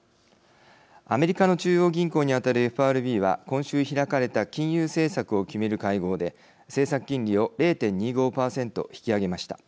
アメリカの中央銀行に当たるＦＲＢは今週開かれた金融政策を決める会合で政策金利を０．２５％引き上げました。